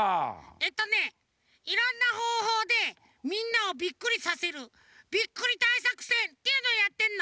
えっとねいろんなほうほうでみんなをビックリさせるビックリだいさくせんっていうのをやってんの。